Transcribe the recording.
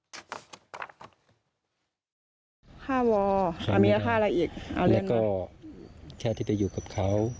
ค่าวอร์ค่าเมียค่าอะไรอีกแล้วก็แค่ที่จะอยู่กับเขา